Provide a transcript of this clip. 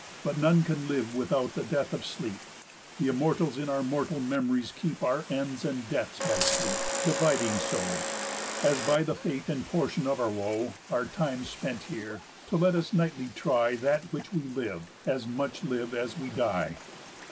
But none can live without the death of sleep, Th' Immortals in our mortal memories keep Our ends and deaths by sleep, dividing so, As by the fate and portion of our woe, Our times spent here, to let us nightly try That while we live, as much live as we die.